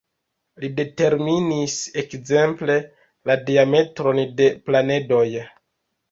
Li determinis ekzemple, la diametron de planedoj.